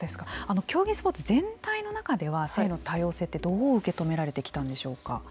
競技スポーツ全体の中では性の多様性ってどう受け止められてきたんでしょうか。